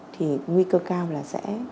thì nguy cơ cao là sẽ